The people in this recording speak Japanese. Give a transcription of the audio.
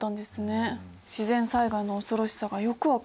自然災害の恐ろしさがよく分かります。